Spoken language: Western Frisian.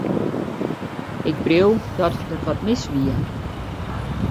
Ik preau dat der wat mis wie.